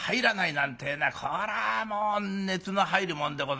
なんてえのはこれはもう熱の入るもんでございましてね。